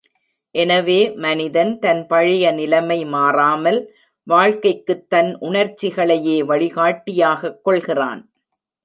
எனவே மனிதன், தன் பழைய நிலைமை மாறாமல், வாழ்க்கைக்குத் தன் உணர்ச்சிகளையே வழிகாட்டியாகக் கொள்கிறான்.